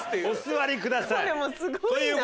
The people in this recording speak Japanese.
お座りください。